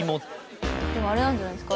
でもあれなんじゃないですか？